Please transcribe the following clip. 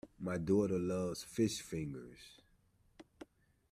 My daughter loves fish fingers